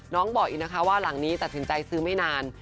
บอกอีกนะคะว่าหลังนี้ตัดสินใจซื้อไม่นาน